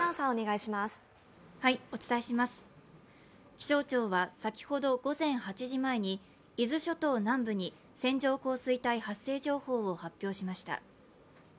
気象庁は先ほど午前８時前に伊豆諸島南部に線状降水帯発生情報を発表しました。